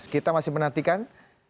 kita masih menantikan